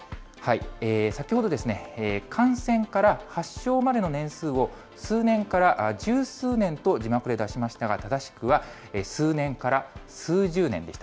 先ほどですね、感染から発症までの年数を数年から十数年と字幕で出しましたが、正しくは、数年から数十年でした。